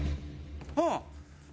うん。